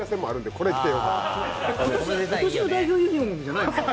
今年の代表ユニフォームじゃないよね？